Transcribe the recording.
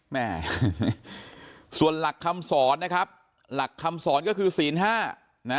แม่ส่วนหลักคำสอนนะครับหลักคำสอนก็คือศีลห้านะ